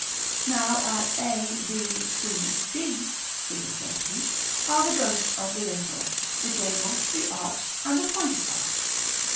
Now a, b, c, d, Fig. XXX., are the ghosts of the lintel, the gable, the arch, and the pointed arch.